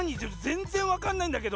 ぜんぜんわかんないんだけど！